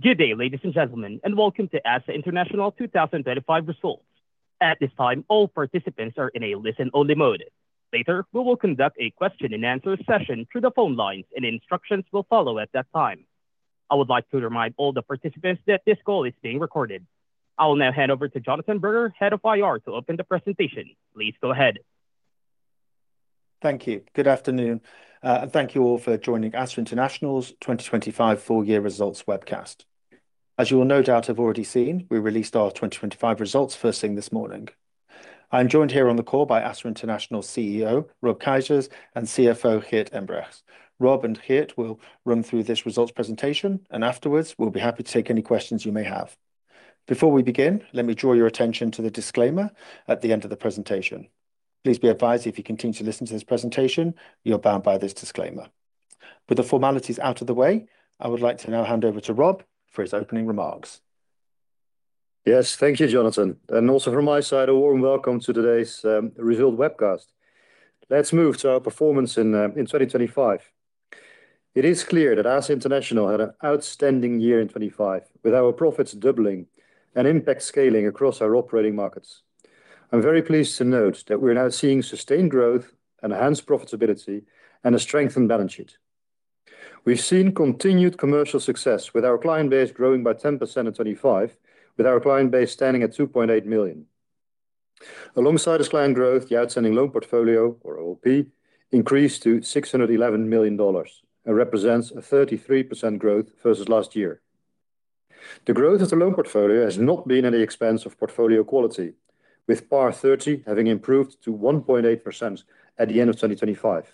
Good day, ladies and gentlemen, and welcome to ASA International 2025 Results. At this time, all participants are in a listen-only mode. Later, we will conduct a Question and Answer session through the phone lines, and instructions will follow at that time. I would like to remind all the participants that this call is being recorded. I will now hand over to Jonathan Berger, Head of IR, to open the presentation. Please go ahead. Thank you. Good afternoon, and thank you all for joining ASA International's 2025 Full-Year Results webcast. As you will no doubt have already seen, we released our 2025 results first thing this morning. I'm joined here on the call by ASA International CEO Rob Keijsers and CFO Geert Embrechts. Rob and Geert will run through this results presentation, and afterwards, we'll be happy to take any questions you may have. Before we begin, let me draw your attention to the disclaimer at the end of the presentation. Please be advised if you continue to listen to this presentation, you're bound by this disclaimer. With the formalities out of the way, I would like to now hand over to Rob for his opening remarks. Yes. Thank you, Jonathan. Also from my side, a warm welcome to today's result webcast. Let's move to our performance in 2025. It is clear that ASA International had an outstanding year in 2025, with our profits doubling and impact scaling across our operating markets. I'm very pleased to note that we're now seeing sustained growth, enhanced profitability, and a strengthened balance sheet. We've seen continued commercial success with our client base growing by 10% in 2025, with our client base standing at 2.8 million. Alongside this client growth, the outstanding loan portfolio, or OLP, increased to $611 million and represents a 33% growth versus last year. The growth of the loan portfolio has not been at the expense of portfolio quality, with PAR 30 having improved to 1.8% at the end of 2025.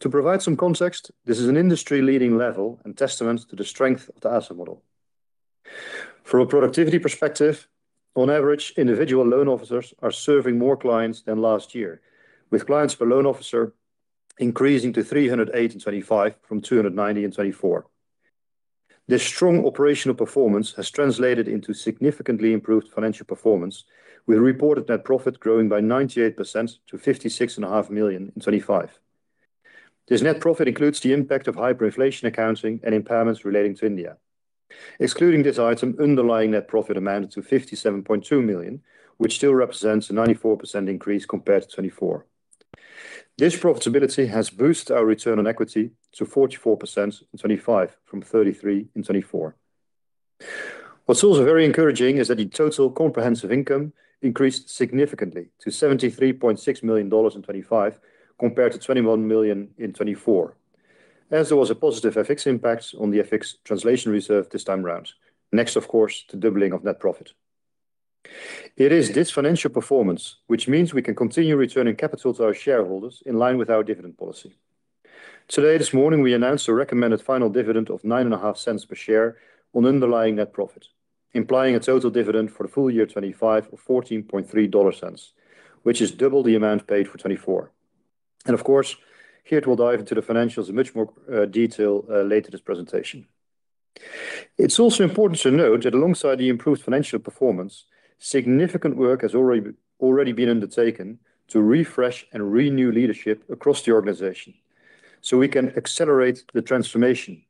To provide some context, this is an industry-leading level and testament to the strength of the ASA Model. From a productivity perspective, on average, individual loan officers are serving more clients than last year, with clients per loan officer increasing to 308 in 2025 from 290 in 2024. This strong operational performance has translated into significantly improved financial performance, with reported net profit growing by 98% to 56.5 million in 2025. This net profit includes the impact of hyperinflation accounting and impairments relating to India. Excluding this item, underlying net profit amounted to 57.2 million, which still represents a 94% increase compared to 2024. This profitability has boosted our return on equity to 44% in 2025 from 33% in 2024. What's also very encouraging is that the Total Comprehensive Income increased significantly to $73.6 million in 2025 compared to 21 million in 2024, as there was a positive FX impact on the FX Translation Reserve this time round. Next, of course, the doubling of Net Profit. It is this financial performance, which means we can continue returning capital to our shareholders in line with our Dividend Policy. Today, this morning, we announced a recommended final dividend of nine and a half cents per share on Underlying Net Profit, implying a total dividend for the full year 2025 of $14.3 cents, which is double the amount paid for 2024. Of course, Geert will dive into the financials in much more detail later this presentation. It's also important to note that alongside the improved financial performance, significant work has already been undertaken to refresh and renew leadership across the organization so we can accelerate the transformation.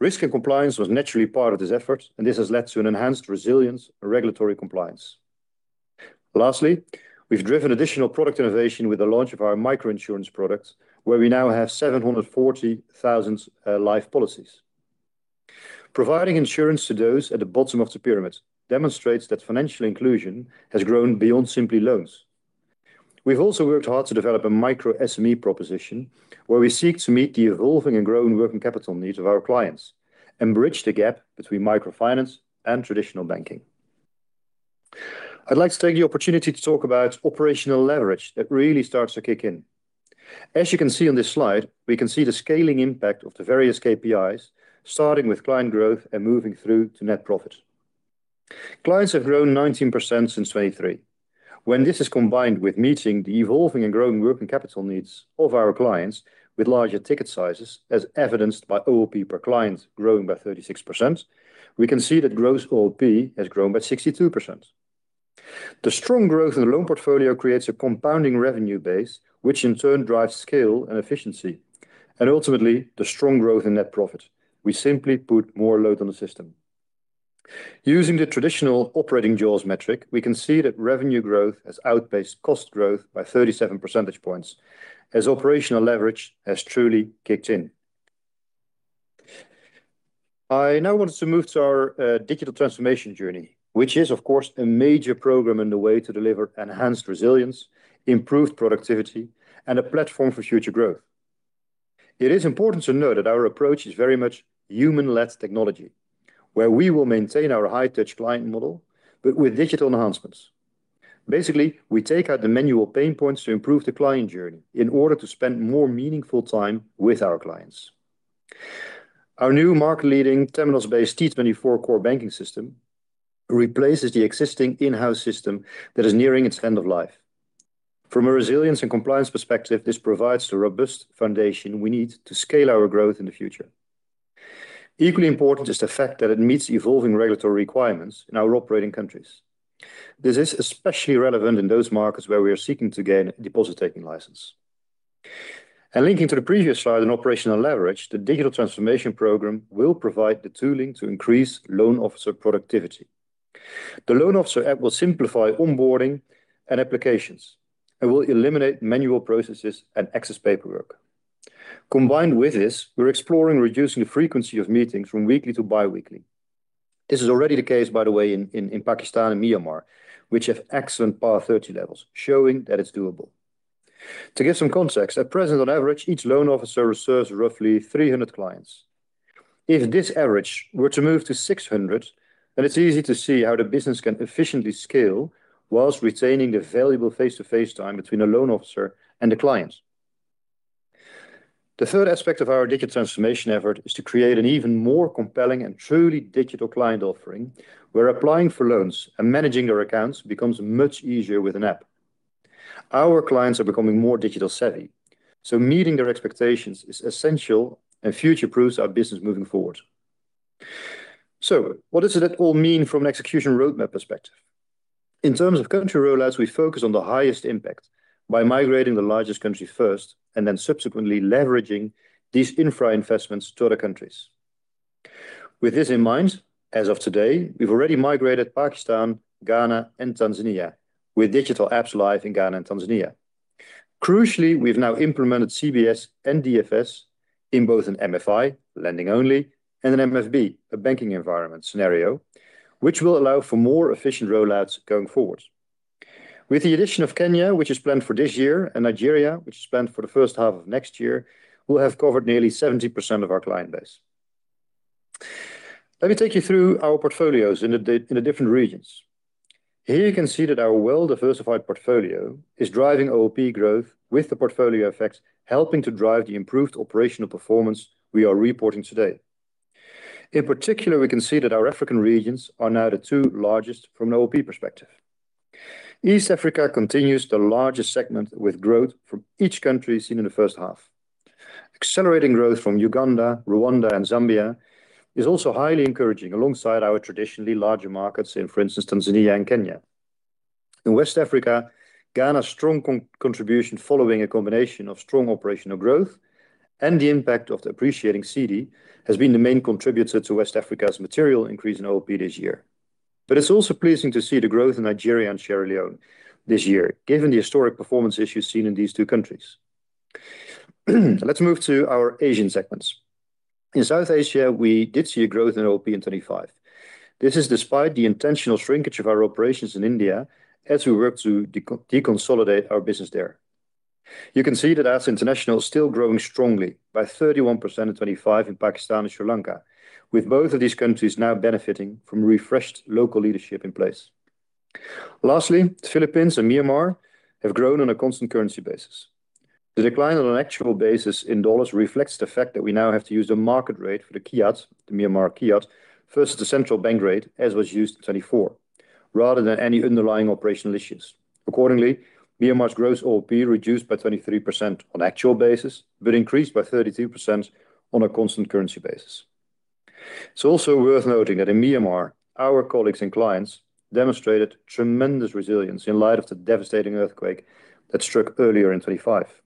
Risk and Compliance was naturally part of this effort, and this has led to an enhanced resilience and regulatory compliance. Lastly, we've driven additional product innovation with the launch of our microinsurance product, where we now have 740,000 life policies. Providing insurance to those at the bottom of the pyramid demonstrates that financial inclusion has grown beyond simply loans. We've also worked hard to develop a micro SME proposition where we seek to meet the evolving and growing working capital needs of our clients and bridge the gap between microfinance and traditional banking. I'd like to take the opportunity to talk about operational leverage that really starts to kick in. As you can see on this slide, we can see the scaling impact of the various KPIs, starting with client growth and moving through to net profit. Clients have grown 19% since 2023. When this is combined with meeting the evolving and growing working capital needs of our clients with larger ticket sizes, as evidenced by OLP per client growing by 36%, we can see that gross OLP has grown by 62%. The strong growth in the loan portfolio creates a compounding revenue base, which in turn drives scale and efficiency, ultimately, the strong growth in net profit. We simply put more load on the system. Using the traditional operating jaws metric, we can see that revenue growth has outpaced cost growth by 37 percentage points as operational leverage has truly kicked in. I now wanted to move to our digital transformation journey, which is, of course, a major program in the way to deliver enhanced resilience, improved productivity, and a platform for future growth. It is important to note that our approach is very much human-led technology, where we will maintain our high-touch client model, but with digital enhancements. Basically, we take out the manual pain points to improve the client journey in order to spend more meaningful time with our clients. Our new market-leading Temenos-based T24 core banking system replaces the existing in-house system that is nearing its end of life. From a resilience and compliance perspective, this provides the robust foundation we need to scale our growth in the future. Equally important is the fact that it meets the evolving regulatory requirements in our operating countries. This is especially relevant in those markets where we are seeking to gain deposit-taking licenses. Linking to the previous slide on operational leverage, the digital transformation program will provide the tooling to increase loan officer productivity. The loan officer app will simplify onboarding and applications and will eliminate manual processes and excess paperwork. Combined with this, we're exploring reducing the frequency of meetings from weekly to biweekly. This is already the case, by the way, in Pakistan and Myanmar, which have excellent PAR 30 levels, showing that it's doable. To give some context, at present on average, each loan officer serves roughly 300 clients. If this average were to move to 600, then it's easy to see how the business can efficiently scale whilst retaining the valuable face-to-face time between a loan officer and the client. The third aspect of our digital transformation effort is to create an even more compelling and truly digital client offering, where applying for loans and managing your accounts becomes much easier with an app. Our clients are becoming more digital savvy, so meeting their expectations is essential and future-proofs our business moving forward. What does that all mean from an execution roadmap perspective? In terms of country rollouts, we focus on the highest impact by migrating the largest country first and then subsequently leveraging these infra investments to other countries. With this in mind, as of today, we've already migrated Pakistan, Ghana, and Tanzania with digital apps live in Ghana and Tanzania. Crucially, we've now implemented CBS and DFS in both an MFI, lending only, and an MFB, a banking environment scenario, which will allow for more efficient rollouts going forward. With the addition of Kenya, which is planned for this year, and Nigeria, which is planned for the first half of next year, we'll have covered nearly 70% of our client base. Let me take you through our portfolios in the different regions. Here you can see that our well-diversified portfolio is driving OLP growth with the portfolio effects helping to drive the improved operational performance we are reporting today. In particular, we can see that our African regions are now the two largest from an OLP perspective. East Africa continues the largest segment with growth from each country seen in the first half. Accelerating growth from Uganda, Rwanda, and Zambia is also highly encouraging alongside our traditionally larger markets in, for instance, Tanzania and Kenya. In West Africa, Ghana's strong contribution following a combination of strong operational growth and the impact of the appreciating cedi has been the main contributor to West Africa's material increase in OLP this year. It's also pleasing to see the growth in Nigeria and Sierra Leone this year, given the historic performance issues seen in these two countries. Let's move to our Asian segments. In South Asia, we did see a growth in OLP in 2025. This is despite the intentional shrinkage of our operations in India as we work to deconsolidate our business there. You can see that ASA International is still growing strongly by 31% in 2025 in Pakistan and Sri Lanka, with both of these countries now benefiting from refreshed local leadership in place. Lastly, the Philippines and Myanmar have grown on a constant currency basis. The decline on an actual basis in dollars reflects the fact that we now have to use the market rate for the kyat, the Myanmar kyat, versus the central bank rate, as was used in 2024, rather than any underlying operational issues. Accordingly, Myanmar's gross OLP reduced by 23% on actual basis but increased by 32% on a constant currency basis. It's also worth noting that in Myanmar, our colleagues and clients demonstrated tremendous resilience in light of the devastating earthquake that struck earlier in 2025.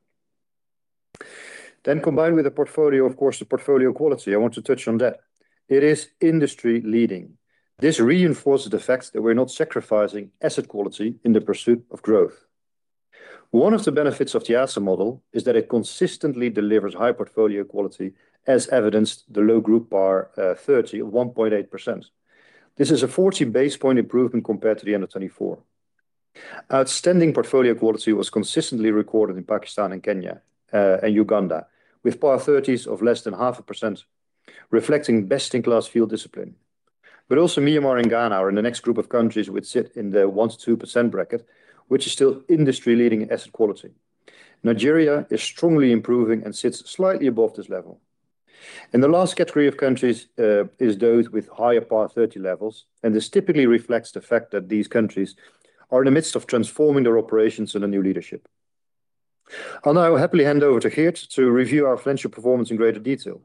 Combined with the portfolio, of course, the portfolio quality, I want to touch on that. It is industry-leading. This reinforces the fact that we're not sacrificing asset quality in the pursuit of growth. One of the benefits of the ASA Model is that it consistently delivers high portfolio quality, as evidenced the low group PAR 30 of 1.8%. This is a 40 basis point improvement compared to the end of 2024. Outstanding portfolio quality was consistently recorded in Pakistan and Kenya, and Uganda, with PAR 30s of less than half a percent, reflecting best-in-class field discipline. Also Myanmar and Ghana are in the next group of countries which sit in the 1%-2% bracket, which is still industry-leading asset quality. Nigeria is strongly improving and sits slightly above this level. The last category of countries is those with higher PAR 30 levels, and this typically reflects the fact that these countries are in the midst of transforming their operations under new leadership. I'll now happily hand over to Geert to review our financial performance in greater detail.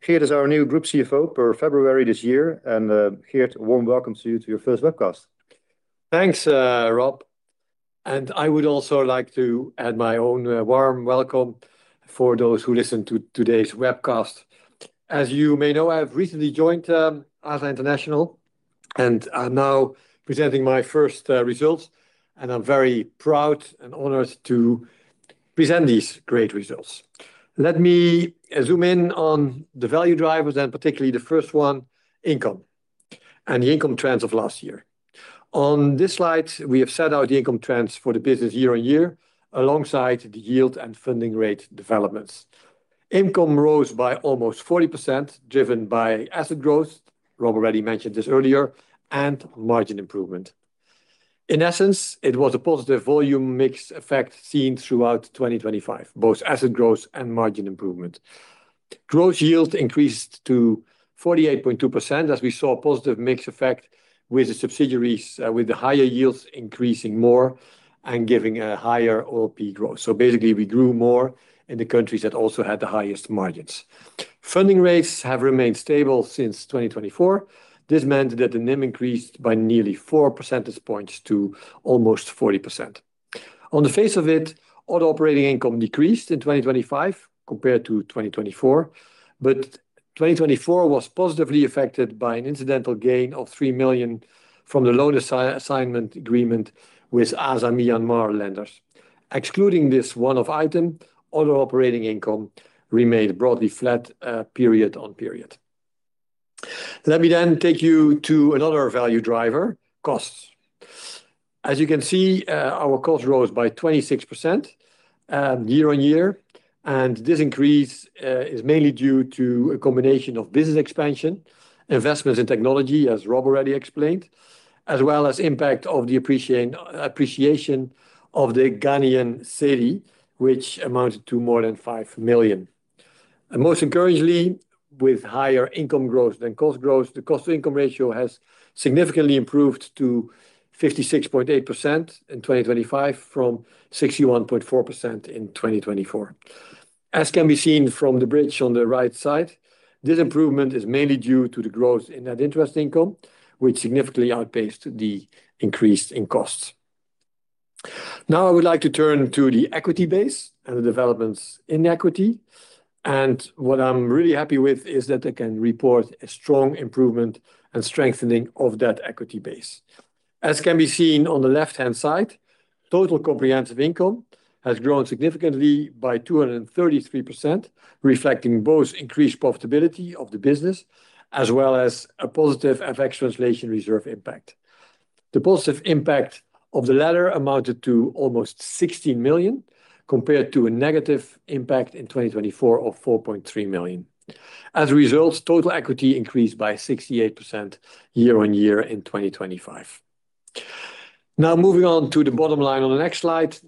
Geert is our new Group CFO per February this year, and Geert, a warm welcome to you to your first webcast. Thanks, Rob. I would also like to add my own warm welcome for those who listen to today's webcast. As you may know, I've recently joined ASA International and I'm now presenting my first results, and I'm very proud and honored to present these great results. Let me zoom in on the value drivers, and particularly the first one, income, and the income trends of last year. On this slide, we have set out the income trends for the business year-on-year alongside the yield and funding rate developments. Income rose by almost 40%, driven by asset growth, Rob already mentioned this earlier, and margin improvement. In essence, it was a positive volume mix effect seen throughout 2025, both asset growth and margin improvement. Gross yield increased to 48.2% as we saw positive mix effect with the subsidiaries, with the higher yields increasing more and giving a higher OLP growth. Basically, we grew more in the countries that also had the highest margins. Funding rates have remained stable since 2024. This meant that the NIM increased by nearly four percentage points to almost 40%. On the face of it, other operating income decreased in 2025 compared to 2024, but 2024 was positively affected by an incidental gain of three million from the loan assignment agreement with ASA Myanmar lenders. Excluding this one-off item, other operating income remained broadly flat period on period. Let me then take you to another value driver, costs. As you can see, our costs rose by 26% year-on-year, and this increase is mainly due to a combination of business expansion, investments in technology, as Rob already explained, as well as impact of the appreciation of the Ghanaian cedi, which amounted to more than 5 million. Most encouragingly, with higher income growth than cost growth, the cost-to-income ratio has significantly improved to 56.8% in 2025 from 61.4% in 2024. As can be seen from the bridge on the right side, this improvement is mainly due to the growth in that interest income, which significantly outpaced the increase in costs. Now I would like to turn to the equity base and the developments in equity. What I'm really happy with is that I can report a strong improvement and strengthening of that equity base. As can be seen on the left-hand side, total comprehensive income has grown significantly by 233%, reflecting both increased profitability of the business as well as a positive FX translation reserve impact. The positive impact of the latter amounted to almost 16 million, compared to a negative impact in 2024 of 4.3 million. As a result, total equity increased by 68% year-on-year in 2025. Now moving on to the bottom line on the next slide,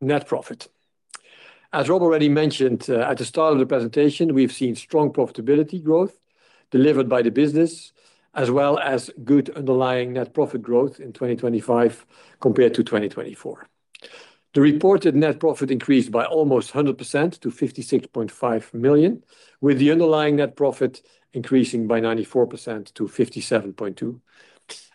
net profit. As Rob already mentioned at the start of the presentation, we've seen strong profitability growth delivered by the business, as well as good underlying net profit growth in 2025 compared to 2024. The reported net profit increased by almost 100% to 56.5 million, with the underlying net profit increasing by 94% to 57.2 million.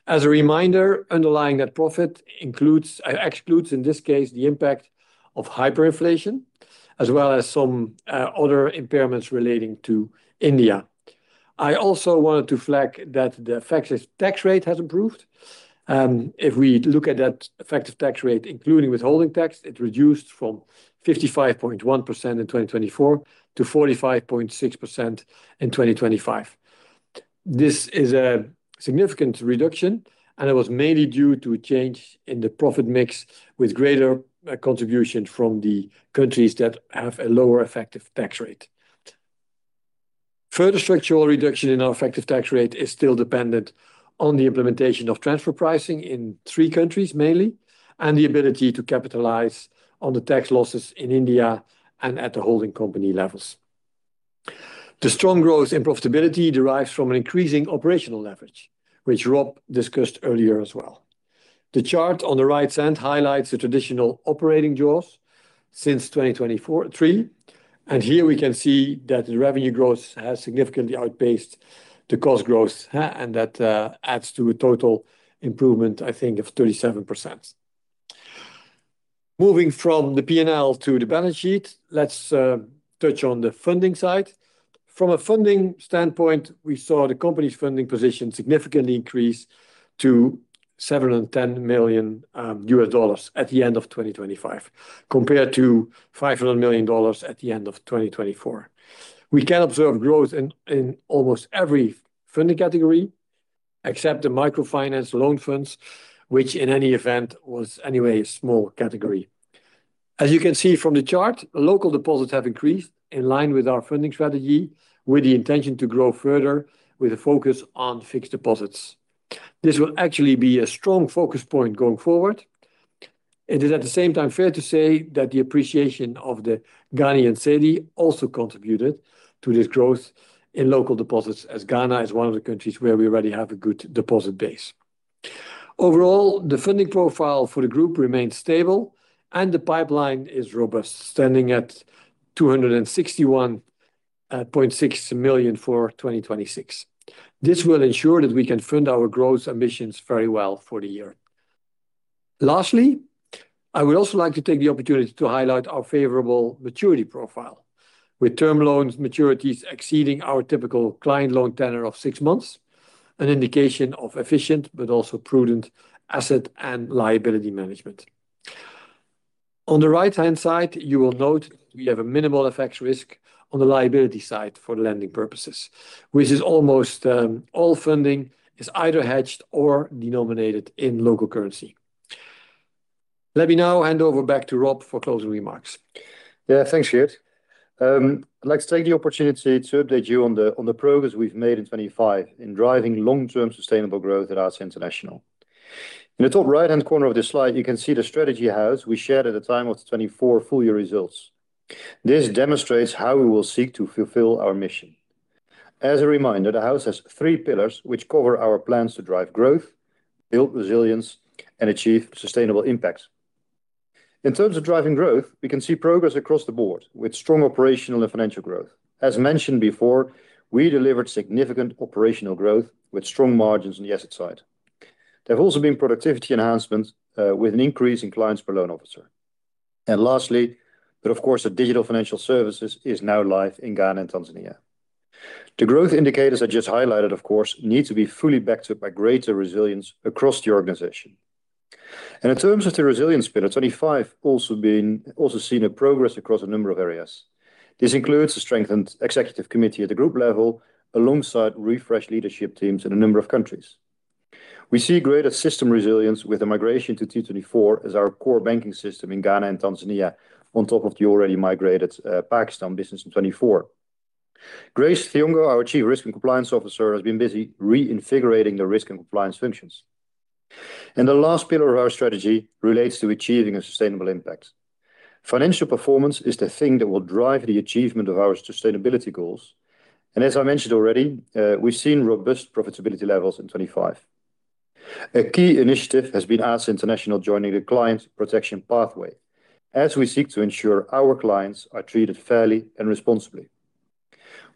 As a reminder, underlying net profit excludes, in this case, the impact of hyperinflation as well as some other impairments relating to India. I also wanted to flag that the effective tax rate has improved. If we look at that effective tax rate including withholding tax, it reduced from 55.1% in 2024 to 45.6% in 2025. This is a significant reduction, and it was mainly due to a change in the profit mix with greater contribution from the countries that have a lower effective tax rate. Further structural reduction in our effective tax rate is still dependent on the implementation of transfer pricing in three countries mainly, and the ability to capitalize on the tax losses in India and at the holding company levels. The strong growth in profitability derives from an increasing operational leverage, which Rob discussed earlier as well. The chart on the right hand highlights the traditional operating jaws since 2023, and here we can see that the revenue growth has significantly outpaced the cost growth, and that adds to a total improvement, I think, of 37%. Moving from the P&L to the balance sheet, let's touch on the funding side. From a funding standpoint, we saw the company's funding position significantly increase to $710 million at the end of 2025, compared to $500 million at the end of 2024. We can observe growth in almost every funding category except the microfinance loan funds, which in any event was anyway a small category. As you can see from the chart, local deposits have increased in line with our funding strategy, with the intention to grow further with a focus on fixed deposits. This will actually be a strong focus point going forward. It is at the same time fair to say that the appreciation of the Ghanaian cedi also contributed to this growth in local deposits, as Ghana is one of the countries where we already have a good deposit base. Overall, the funding profile for the Group remains stable and the pipeline is robust, standing at 261.6 million for 2026. This will ensure that we can fund our growth ambitions very well for the year. Lastly, I would also like to take the opportunity to highlight our favorable maturity profile, with term loans maturities exceeding our typical client loan tenure of six months, an indication of efficient but also prudent asset and liability management. On the right-hand side, you will note we have a minimal FX risk on the liability side for the lending purposes, which is almost all funding is either hedged or denominated in local currency. Let me now hand over back to Rob for closing remarks. Yeah. Thanks, Geert. I'd like to take the opportunity to update you on the progress we've made in 2025 in driving long-term sustainable growth at ASA International. In the top right-hand corner of this slide, you can see the strategy house we shared at the time of the 2024 full-year results. This demonstrates how we will seek to fulfill our mission. As a reminder, the house has three pillars which cover our plans to drive growth, build resilience, and achieve sustainable impact. In terms of driving growth, we can see progress across the board with strong operational and financial growth. As mentioned before, we delivered significant operational growth with strong margins on the asset side. There have also been productivity enhancements, with an increase in clients per loan officer. Lastly, but of course, the digital financial services is now live in Ghana and Tanzania. The growth indicators I just highlighted, of course, need to be fully backed up by greater resilience across the organization. In terms of the resilience pillar, 2025 also seen a progress across a number of areas. This includes a strengthened Executive Committee at the Group level, alongside refreshed leadership teams in a number of countries. We see greater system resilience with a migration to T24 as our core banking system in Ghana and Tanzania, on top of the already migrated Pakistan business in 2024. Grace Thiongo, our Chief Risk and Compliance Officer, has been busy reinvigorating the risk and compliance functions. The last pillar of our strategy relates to achieving a sustainable impact. Financial performance is the thing that will drive the achievement of our sustainability goals, and as I mentioned already, we've seen robust profitability levels in 2025. A key initiative has been ASA International joining the Client Protection Pathway, as we seek to ensure our clients are treated fairly and responsibly.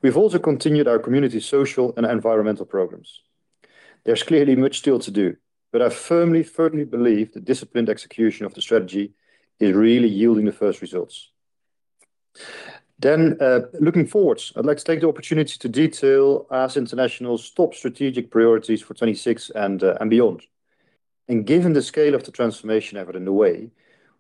We've also continued our community social and environmental programs. There's clearly much still to do, but I firmly believe the disciplined execution of the strategy is really yielding the first results. Looking forwards, I'd like to take the opportunity to detail ASA International's top strategic priorities for 2026 and beyond. Given the scale of the transformation effort underway,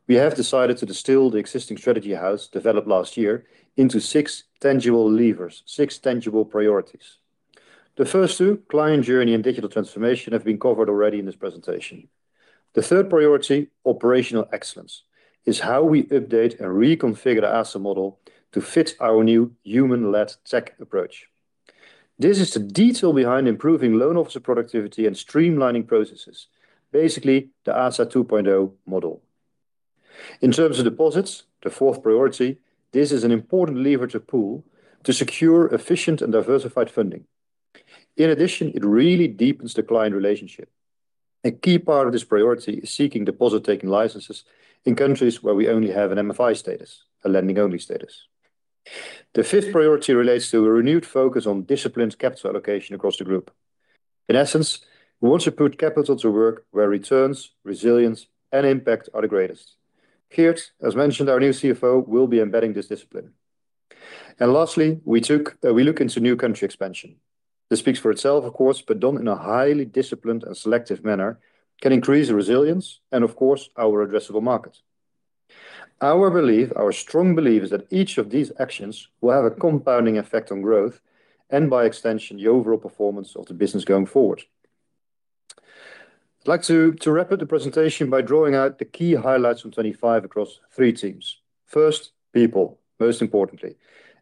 we have decided to distill the existing strategy house developed last year into six tangible levers, six tangible priorities. The first two, client journey and digital transformation, have been covered already in this presentation. The third priority, operational excellence, is how we update and reconfigure the ASA Model to fit our new human-led tech approach. This is the detail behind improving loan officer productivity and streamlining processes, basically, the ASA 2.0 model. In terms of deposits, the fourth priority, this is an important lever to pull to secure efficient and diversified funding. In addition, it really deepens the client relationship. A key part of this priority is seeking deposit-taking licenses in countries where we only have an MFI status, a lending-only status. The fifth priority relates to a renewed focus on disciplined capital allocation across the Group. In essence, we want to put capital to work where returns, resilience, and impact are the greatest. Geert, as mentioned, our new CFO, will be embedding this discipline. Lastly, we look into new country expansion. This speaks for itself, of course, but done in a highly disciplined and selective manner, can increase the resilience and, of course, our addressable market. Our strong belief is that each of these actions will have a compounding effect on growth and, by extension, the overall performance of the business going forward. I'd like to wrap up the presentation by drawing out the key highlights from 2025 across three themes. First, people, most importantly.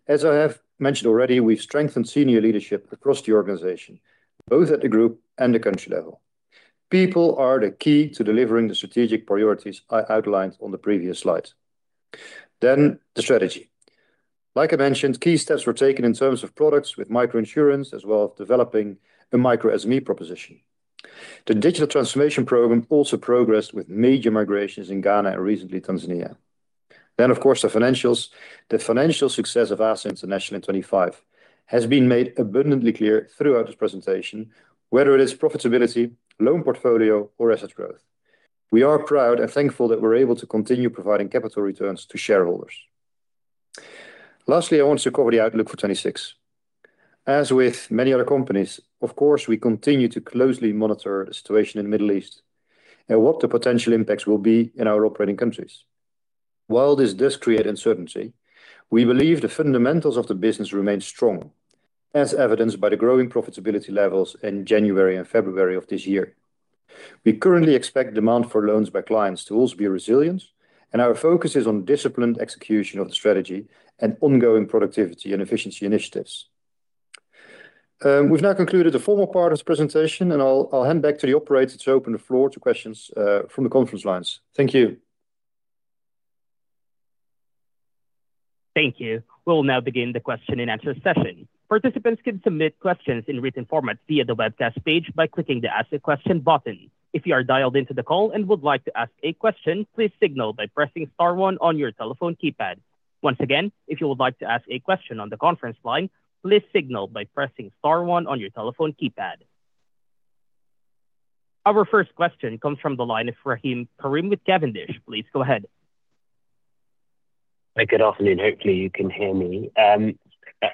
As I have mentioned already, we've strengthened senior leadership across the organization, both at the Group and the country level. People are the key to delivering the strategic priorities I outlined on the previous slide. The strategy. Like I mentioned, key steps were taken in terms of products with microinsurance, as well as developing a Micro SME proposition. The digital transformation program also progressed with major migrations in Ghana and recently Tanzania. Of course, the financials. The financial success of ASA International in 2025 has been made abundantly clear throughout this presentation, whether it is profitability, loan portfolio, or asset growth. We are proud and thankful that we're able to continue providing capital returns to shareholders. Lastly, I want to cover the outlook for 2026. As with many other companies, of course, we continue to closely monitor the situation in the Middle East and what the potential impacts will be in our operating countries. While this does create uncertainty, we believe the fundamentals of the business remain strong, as evidenced by the growing profitability levels in January and February of this year. We currently expect demand for loans by clients to also be resilient, and our focus is on disciplined execution of the strategy and ongoing productivity and efficiency initiatives. We've now concluded the formal part of this presentation, and I'll hand back to the Operator to open the floor to questions from the conference lines. Thank you. Thank you. We'll now begin the question and answer session. Participants can submit questions in written format via the webcast page by clicking the Ask a Question button. If you are dialed into the call and would like to ask a question, please signal by pressing star one on your telephone keypad. Once again, if you would like to ask a question on the conference line, please signal by pressing star one on your telephone keypad. Our first question comes from the line of Rahim Karim with Cavendish. Please go ahead. Good afternoon. Hopefully, you can hear me.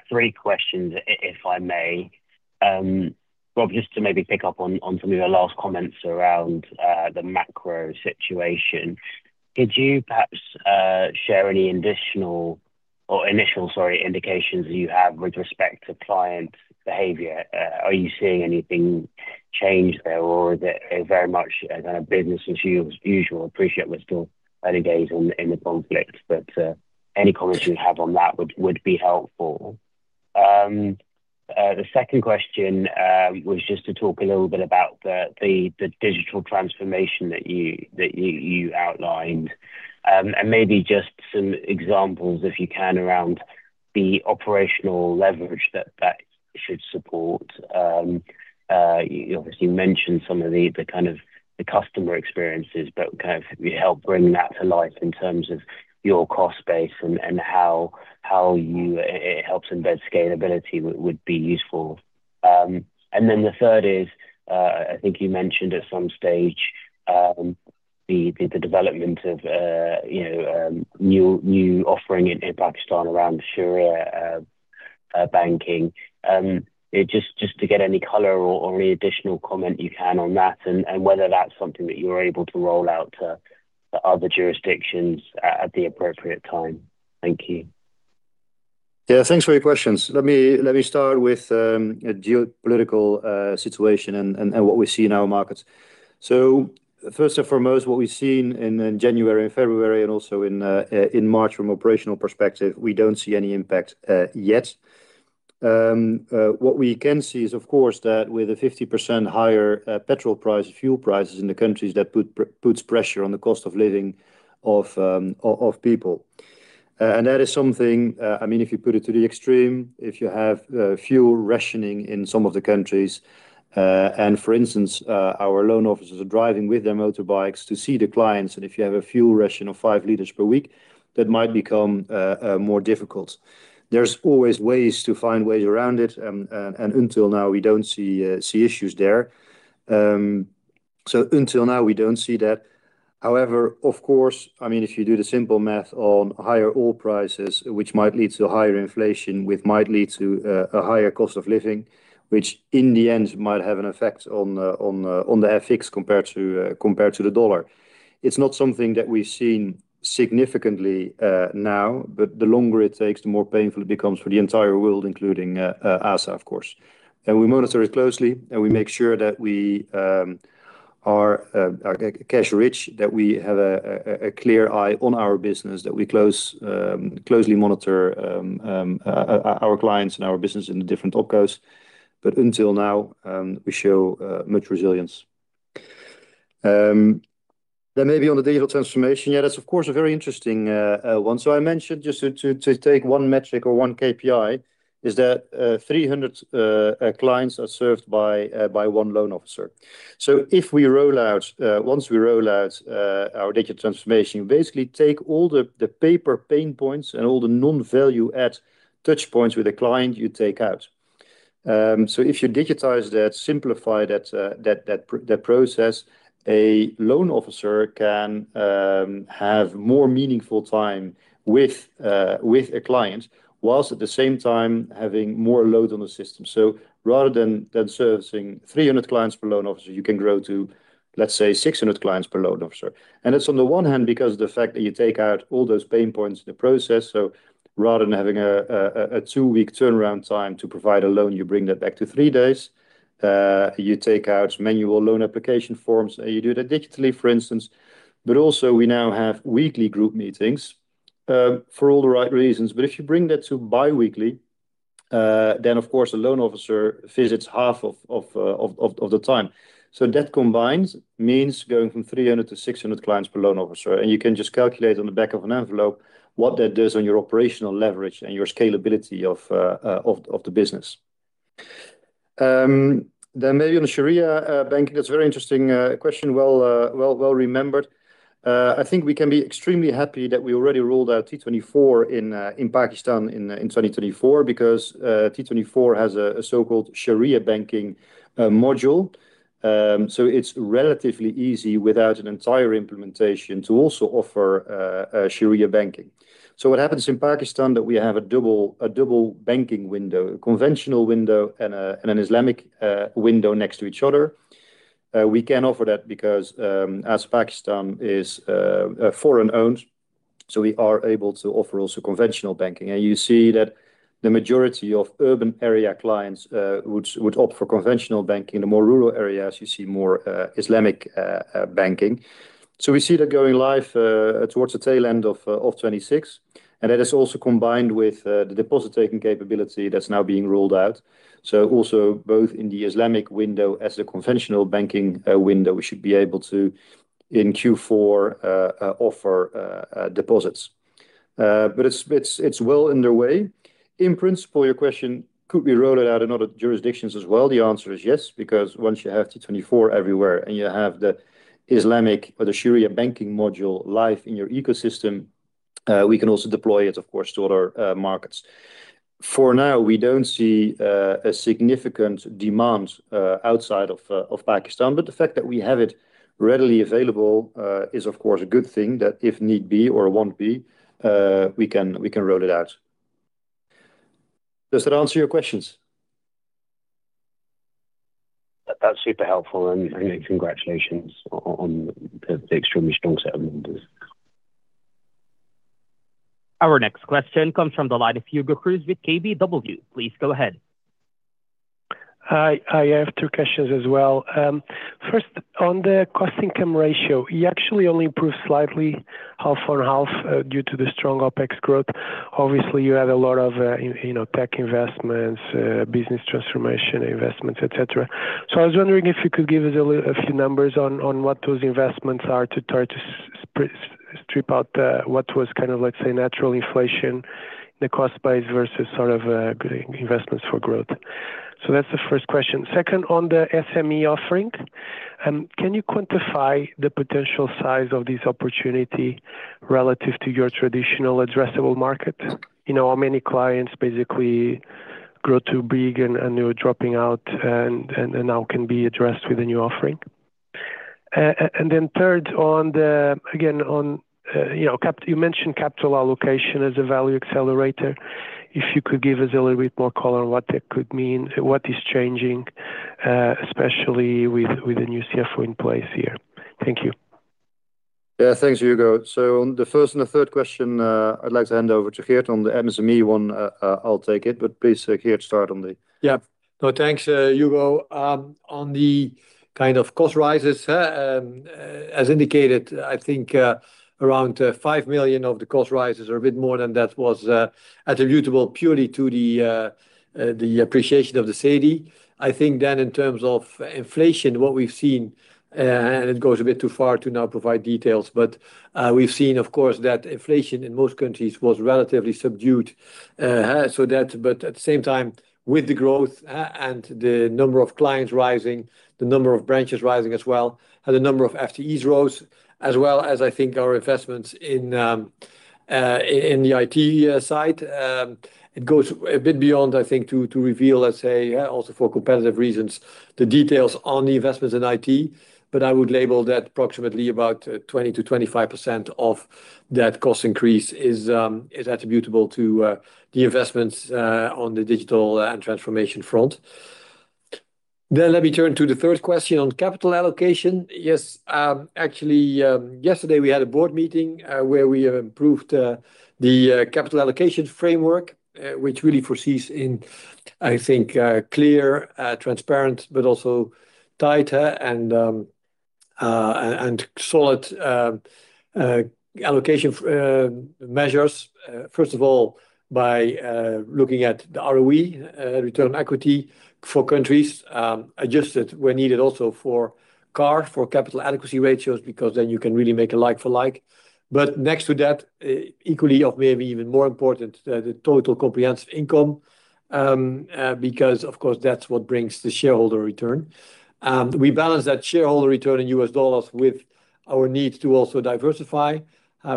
Three questions, if I may. Rob, just to maybe pick up on some of your last comments around the macro situation, could you perhaps share any initial indications you have with respect to client behavior? Are you seeing anything change there, or is it very much business as usual? I appreciate we're still early days in the conflict, but any comments you have on that would be helpful. The second question was just to talk a little bit about the digital transformation that you outlined, and maybe just some examples, if you can, around the operational leverage that should support. You obviously mentioned some of the customer experiences, but can you help bring that to life in terms of your cost base? How it helps embed scalability would be useful. The third is, I think you mentioned at some stage the development of new offering in Pakistan around Sharia banking, just to get any color or any additional comment you can on that and whether that's something that you're able to roll out to other jurisdictions at the appropriate time. Thank you. Yeah. Thanks for your questions. Let me start with geopolitical situation and what we see in our markets. First and foremost, what we've seen in January and February and also in March from operational perspective, we don't see any impact yet. What we can see is, of course, that with a 50% higher petrol price, fuel prices in the countries, that puts pressure on the cost of living of people. That is something, if you put it to the extreme, if you have fuel rationing in some of the countries, and for instance our loan officers are driving with their motorbikes to see the clients, and if you have a fuel ration of five liters per week, that might become more difficult. There's always ways to find ways around it, and until now we don't see issues there. Until now we don't see that. However, of course, if you do the simple math on higher oil prices, which might lead to higher inflation, which might lead to a higher cost of living, which in the end might have an effect on the FX compared to the U.S. dollar, it's not something that we've seen significantly now, but the longer it takes, the more painful it becomes for the entire world, including us of course. We monitor it closely, and we make sure that we are cash rich, that we have a clear eye on our business, that we closely monitor our clients and our business in the different opcos. Until now, we show much resilience. Maybe on the digital transformation, yeah, that's of course a very interesting one. I mentioned just to take one metric or one KPI, is that 300 clients are served by one loan officer. Once we roll out our digital transformation, basically take all the paper pain points and all the non-value-add touchpoints with a client, you take out. If you digitize that, simplify that process, a loan officer can have more meaningful time with a client, whilst at the same time having more load on the system. Rather than servicing 300 clients per loan officer, you can grow to, let's say, 600 clients per loan officer. It's on the one hand because of the fact that you take out all those pain points in the process. Rather than having a two-week turnaround time to provide a loan, you bring that back to three days. You take out manual loan application forms, and you do that digitally, for instance. Also we now have weekly group meetings for all the right reasons. If you bring that to biweekly, then of course a loan officer visits half of the time. That combined means going from 300-600 clients per loan officer, and you can just calculate on the back of an envelope what that does on your operational leverage and your scalability of the business. Maybe on the Sharia banking, that's a very interesting question. Well remembered. I think we can be extremely happy that we already rolled out T24 in Pakistan in 2024 because T24 has a so-called Sharia banking module. It's relatively easy without an entire implementation to also offer Sharia banking. What happens in Pakistan that we have a double banking window, a conventional window, and an Islamic window next to each other. We can offer that because as Pakistan is foreign owned, so we are able to offer also conventional banking. You see that the majority of urban area clients would opt for conventional banking. In the more rural areas, you see more Islamic banking. We see that going live towards the tail end of 2026. That is also combined with the deposit-taking capability that's now being rolled out. Also both in the Islamic window as a conventional banking window, we should be able to, in Q4, offer deposits. It's well underway. In principle, your question, could we roll it out in other jurisdictions as well? The answer is yes, because once you have T24 everywhere and you have the Islamic or the Sharia banking module live in your ecosystem, we can also deploy it, of course, to other markets. For now, we don't see a significant demand outside of Pakistan, but the fact that we have it readily available is, of course, a good thing that if need be or want be, we can roll it out. Does that answer your questions? That's super helpful, and congratulations on the extremely strong set of numbers. Our next question comes from the line of Hugo Cruz with KBW. Please go ahead. Hi. I have two questions as well. First, on the cost-income ratio, it actually only improved slightly half-on-half due to the strong OpEx growth. Obviously, you had a lot of tech investments, business transformation investments, et cetera. I was wondering if you could give us a few numbers on what those investments are to try to strip out what was kind of, let's say, natural inflation in the cost base versus sort of growing investments for growth. That's the first question. Second, on the SME offering. Can you quantify the potential size of this opportunity relative to your traditional addressable market? How many clients basically grow too big and are now dropping out and now can be addressed with a new offering? Third, again, you mentioned capital allocation as a value accelerator. If you could give us a little bit more color on what that could mean, what is changing, especially with the new CFO in place here. Thank you. Yeah. Thanks, Hugo. On the first and the third question, I'd like to hand over to Geert. On the MSME one, I'll take it, but please, Geert. Yeah. No, thanks, Hugo. On the cost rises, as indicated, I think around 5 million of the cost rises or a bit more than that was attributable purely to the appreciation of the cedi. I think then in terms of inflation, what we've seen, and it goes a bit too far to now provide details, but we've seen, of course, that inflation in most countries was relatively subdued. At the same time, with the growth and the number of clients rising, the number of branches rising as well, and the number of FTEs rose, as well as I think our investments in the IT side. It goes a bit beyond, I think, to reveal, let's say, also for competitive reasons, the details on the investments in IT, but I would label that approximately about 20%-25% of that cost increase is attributable to the investments on the digital and transformation front. Let me turn to the third question on capital allocation. Yes. Actually, yesterday we had a Board meeting where we improved the capital allocation framework, which really foresees in, I think, clear, transparent, but also tighter and solid allocation measures. First of all, by looking at the ROE, return equity, for countres adjusted where needed also for CAR, for capital adequacy ratios, because then you can really make a like-for-like. Next to that, equally or maybe even more important, the total comprehensive income, because of course, that's what brings the shareholder return. We balance that shareholder return in U.S. dollars with our needs to also diversify.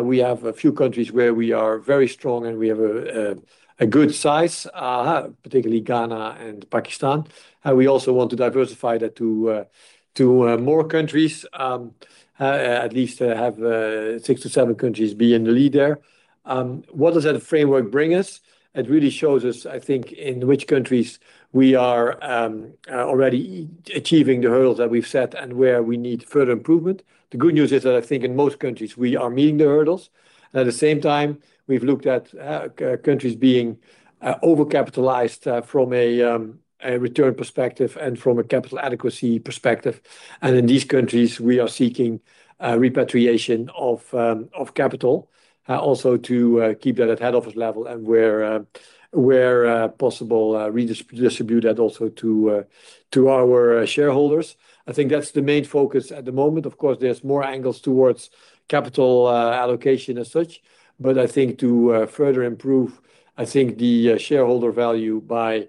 We have a few countries where we are very strong, and we have a good size, particularly Ghana and Pakistan. We also want to diversify that to more countries, at least have six to seven countries be in the lead there. What does that framework bring us? It really shows us, I think, in which countries we are already achieving the hurdles that we've set and where we need further improvement. The good news is that I think in most countries, we are meeting the hurdles. At the same time, we've looked at countries being over-capitalized from a return perspective and from a capital adequacy perspective. In these countries, we are seeking repatriation of capital also to keep that at head office level and where possible, redistribute that also to our shareholders. I think that's the main focus at the moment. Of course, there's more angles towards capital allocation as such, but I think to further improve, I think the shareholder value by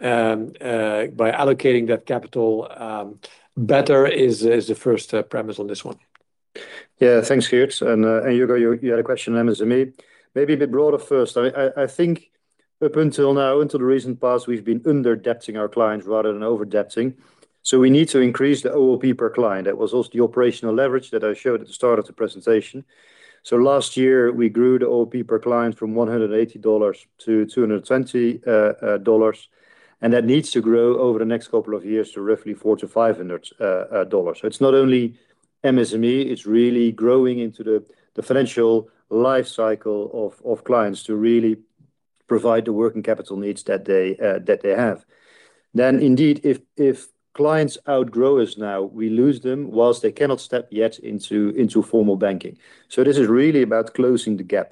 allocating that capital better is the first premise on this one. Yeah. Thanks, Geert. Hugo, you had a question on MSME. Maybe a bit broader first. I think up until now, until the recent past, we've been under-lending our clients rather than over-lending. We need to increase the OLP per client. That was also the operational leverage that I showed at the start of the presentation. Last year, we grew the OLP per client from $180-$220, and that needs to grow over the next couple of years to roughly $400-$500. It's not only MSME, it's really growing into the financial life cycle of clients to really provide the working capital needs that they have. Indeed, if clients outgrow us now, we lose them whilst they cannot step yet into formal banking. This is really about closing the gap.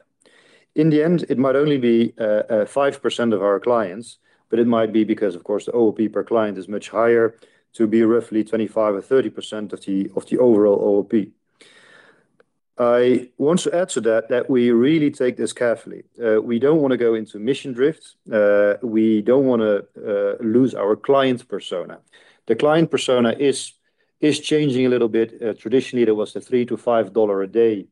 In the end, it might only be 5% of our clients, but it might be because, of course, the OLP per client is much higher to be roughly 25% or 30% of the overall OLP. I want to add to that we really take this carefully. We don't want to go into mission drift. We don't want to lose our client persona. The client persona is changing a little bit. Traditionally, there was the $3-$5 a day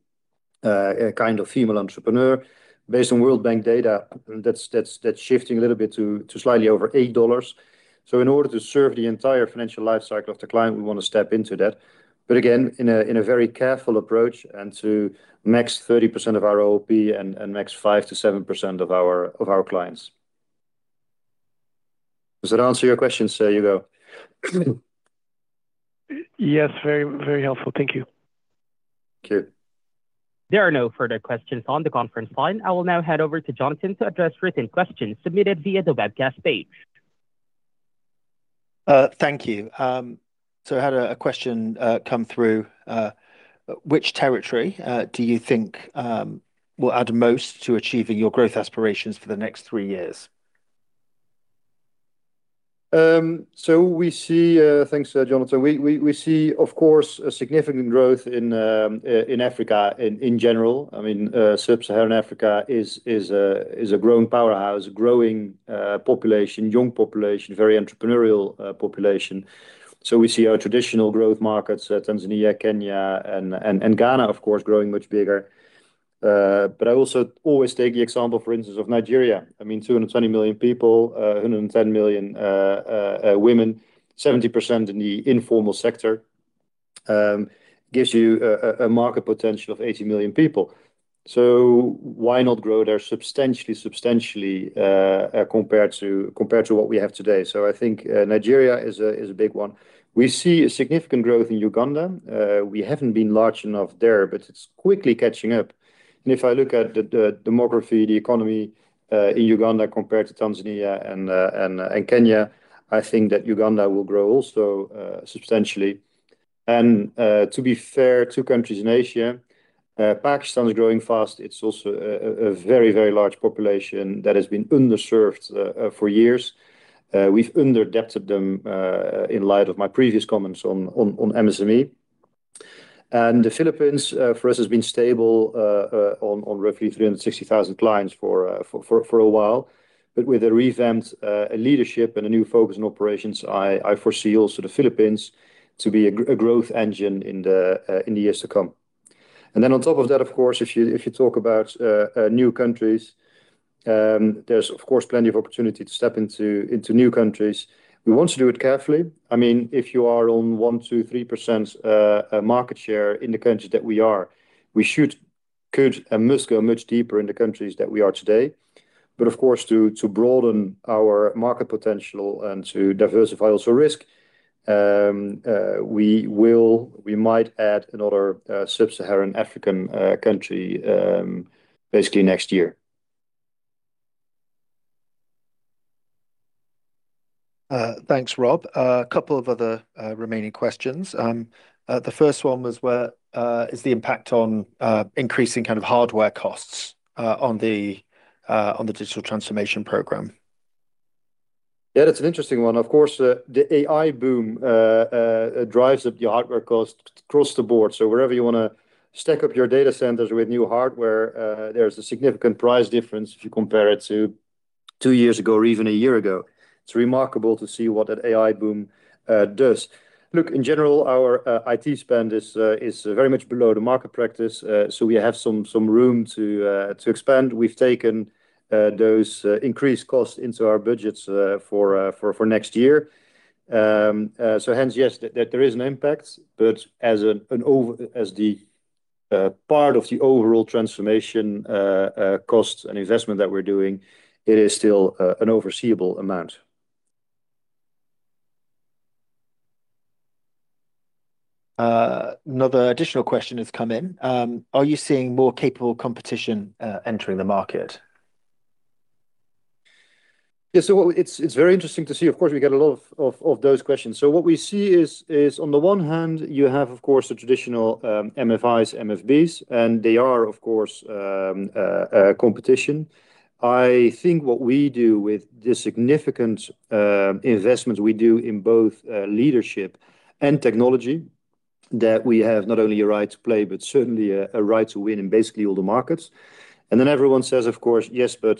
kind of female entrepreneur. Based on World Bank data, that's shifting a little bit to slightly over $8. In order to serve the entire financial life cycle of the client, we want to step into that, but again, in a very careful approach and to max 30% of our OLP and max 5%-7% of our clients. Does that answer your question, Hugo? Yes. Very helpful. Thank you. Okay. There are no further questions on the conference line. I will now hand over to Jonathan to address written questions submitted via the webcast page. Thank you. I had a question come through. Which territory do you think will add most to achieving your growth aspirations for the next three years? Thanks, Jonathan. We see, of course, a significant growth in Africa in general. Sub-Saharan Africa is a growing powerhouse, growing population, young population, very entrepreneurial population. We see our traditional growth markets, Tanzania, Kenya, and Ghana, of course, growing much bigger. I also always take the example, for instance, of Nigeria. 220 million people, 110 million women, 70% in the informal sector, gives you a market potential of 80 million people. Why not grow there substantially compared to what we have today? I think Nigeria is a big one. We see a significant growth in Uganda. We haven't been large enough there, but it's quickly catching up. If I look at the demography, the economy, in Uganda compared to Tanzania and Kenya, I think that Uganda will grow also substantially. To be fair, two countries in Asia, Pakistan is growing fast. It's also a very large population that has been underserved for years. We've under-debted them in light of my previous comments on MSME. The Philippines, for us, has been stable on roughly 360,000 clients for a while. With a revamped leadership and a new focus on operations, I foresee also the Philippines to be a growth engine in the years to come. On top of that, of course, if you talk about new countries, there's plenty of opportunity to step into new countries. We want to do it carefully. If you are on 1%-3% market share in the countries that we are, we should, could, and must go much deeper in the countries that we are today. Of course, to broaden our market potential and to diversify also risk, we might add another sub-Saharan African country, basically next year. Thanks, Rob. A couple of other remaining questions. The first one was where is the impact on increasing hardware costs on the digital transformation program? Yeah, that's an interesting one. Of course, the AI boom drives up your hardware cost across the board. Wherever you want to stack up your data centers with new hardware, there's a significant price difference if you compare it to two years ago or even a year ago. It's remarkable to see what that AI boom does. Look, in general, our IT spend is very much below the market practice, so we have some room to expand. We've taken those increased costs into our budgets for next year. Hence, yes, that there is an impact, but as the part of the overall transformation costs and investment that we're doing, it is still an overseeable amount. Another additional question has come in. Are you seeing more capable competition entering the market? Yeah. It's very interesting to see. Of course, we get a lot of those questions. What we see is on the one hand, you have, of course, the traditional MFIs, MFBs, and they are, of course, competition. I think what we do with the significant investment we do in both leadership and technology, that we have not only a right to play, but certainly a right to win in basically all the markets. Everyone says, of course, yes, but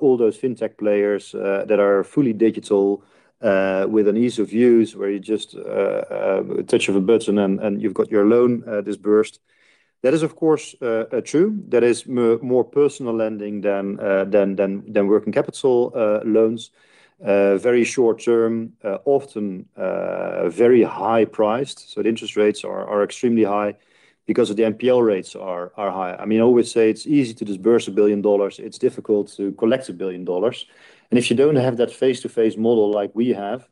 all those fintech players that are fully digital, with an ease of use where you just touch of a button and you've got your loan disbursed. That is, of course, true. That is more personal lending than working capital loans. Very short-term, often very high priced. The interest rates are extremely high because of the NPL rates are high. I always say it's easy to disburse $1 billion. It's difficult to collect $1 billion if you don't have that face-to-face model like we have,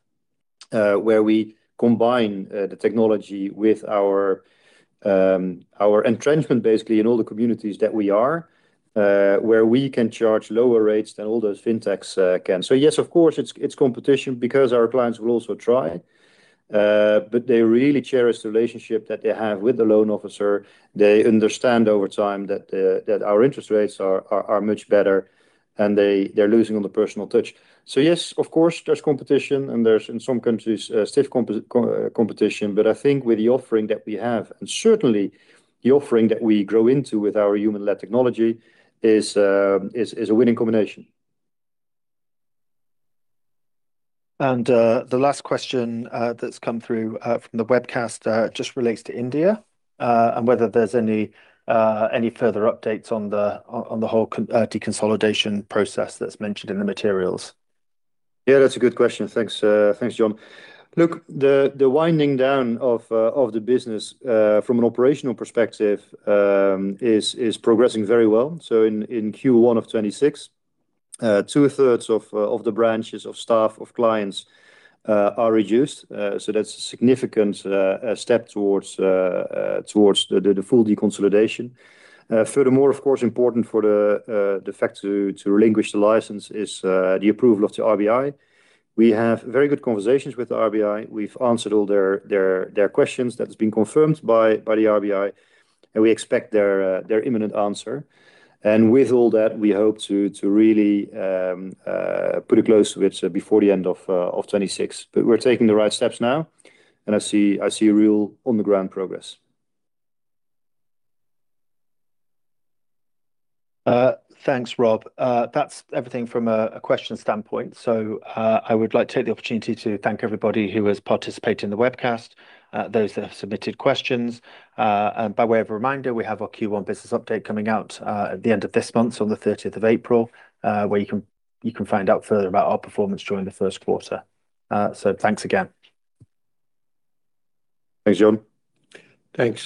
where we combine the technology with our entrenchment, basically in all the communities that we are, where we can charge lower rates than all those fintechs can. Yes, of course, it's competition because our clients will also try. They really cherish the relationship that they have with the loan officer. They understand over time that our interest rates are much better, and they're losing on the personal touch. Yes, of course, there's competition, and there's, in some countries, stiff competition. I think with the offering that we have, and certainly the offering that we grow into with our human-led technology is a winning combination. The last question that's come through from the webcast just relates to India, whether there's any further updates on the whole deconsolidation process that's mentioned in the materials. Yeah, that's a good question. Thanks Jonathan. Look, the winding down of the business from an operational perspective is progressing very well. In Q1 of 2026, two-thirds of the branches, of staff, of clients are reduced. That's a significant step towards the full deconsolidation. Furthermore, of course, important for the fact to relinquish the license is the approval of the RBI. We have very good conversations with the RBI. We've answered all their questions. That has been confirmed by the RBI, and we expect their imminent answer. With all that, we hope to really put a close to it before the end of 2026. We're taking the right steps now, and I see real on-the-ground progress. Thanks, Rob. That's everything from a question standpoint. I would like to take the opportunity to thank everybody who has participated in the webcast, those that have submitted questions. By way of a reminder, we have our Q1 business update coming out at the end of this month on the 30th of April, where you can find out further about our performance during the Q1. Thanks again. Thanks, Jonathan Berger. Thanks.